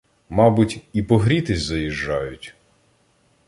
— Мабуть, і погрітися заїжджають?